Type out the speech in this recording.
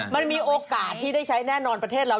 มันมีโอกาสที่ได้ใช้แน่นอนประเทศเรา